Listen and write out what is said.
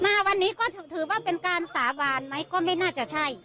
มาวันนี้ก็ถือว่าเป็นการสาบานไหมก็ไม่น่าจะใช่